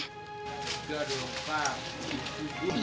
gak ada pak